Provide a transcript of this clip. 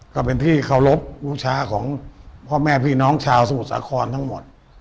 ก็เป็นที่เคารพนุชาของพ่อแม่พี่น้องชาวสมุทรสาครทั้งหมด